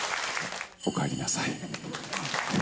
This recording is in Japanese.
おかえりなさい。